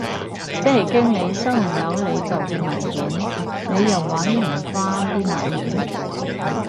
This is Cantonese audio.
即係經理收唔到你做嘅文件，你又搵唔返啲文件？